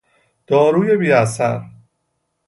داروی بیاثر